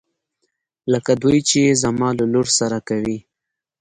لکه دوی چې يې زما له لور سره کوي.